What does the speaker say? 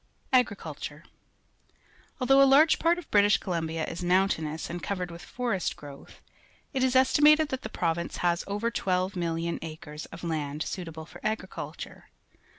Agriculture. — Although a large part of British ( 'olumbia is mountainous and covered with forest growth, it is estimated that the province has over 12,000,000 acres of land suitable for agriculture.